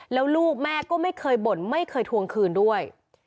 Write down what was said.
แล้วลูกแม่ก็ไม่เคยบ่นไม่เคยทวงคืนด้วย